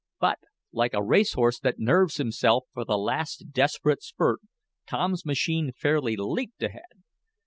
But, like a race horse that nerves himself for the last desperate spurt, Tom's machine fairly leaped ahead.